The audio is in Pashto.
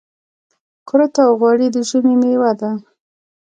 کورت او غوړي د ژمي مېوه ده .